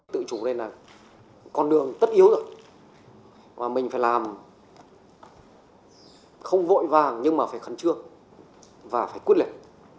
tự chủ đây là con đường tất yếu rồi và mình phải làm không vội vàng nhưng mà phải khẩn trương và phải quyết liệt